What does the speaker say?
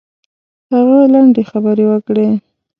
هغه لنډې خبرې وکړې.